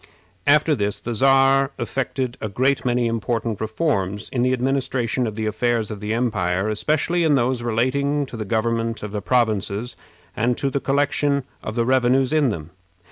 After this the Czar effected a great many important reforms in the administration of the affairs of the empire, especially in those relating to the government of the provinces, and to the collection of the revenues in them.